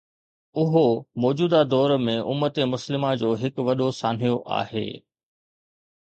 اهو موجوده دور ۾ امت مسلمه جو هڪ وڏو سانحو آهي